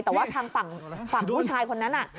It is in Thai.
แต่ว่าทางฝั่งผู้ชายคนนั้น